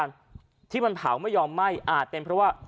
ที่มันเผาไม่ยอมไหม้อาจเป็นเพราะว่า